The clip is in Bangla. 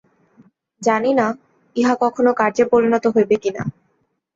জানি না, ইহা কখনও কার্যে পরিণত হইবে কিনা।